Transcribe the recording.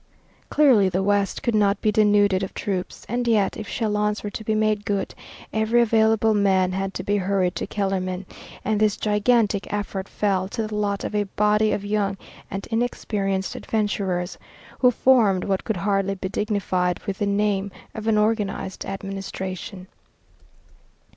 Clearly the West could not be denuded of troops, and yet, if Châlons were to be made good, every available man had to be hurried to Kellermann, and this gigantic effort fell to the lot of a body of young and inexperienced adventurers who formed what could hardly be dignified with the name of an organized administration.